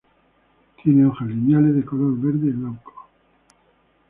Tiene hojas lineares de color verde glauco.